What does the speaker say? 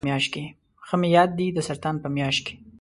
ښه مې یاد دي د سرطان په میاشت کې.